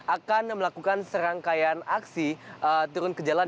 akan melakukan serangkaian aksi turun ke jalan